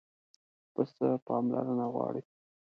پسه پاملرنه غواړي.